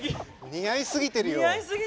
似合いすぎてる。